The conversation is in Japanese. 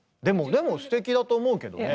でもすてきだと思うけどね。